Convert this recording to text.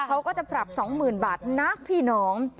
เขาก็จะปรับ๒๐๐๐บาทนะพี่น้อง